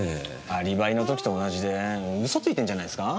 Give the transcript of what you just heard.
アリバイの時と同じで嘘ついてるんじゃないですか？